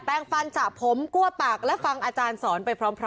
แป้งฟันจับผมกลัวปากและฟังอาจารย์สอนไปพร้อมกัน